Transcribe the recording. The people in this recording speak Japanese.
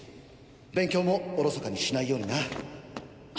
勉強もおろそかにしないようにな。